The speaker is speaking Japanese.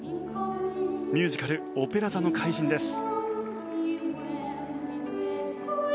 ミュージカル「オペラ座の怪人」です。